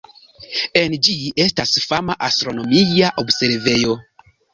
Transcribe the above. En ĝi estas fama astronomia observejo.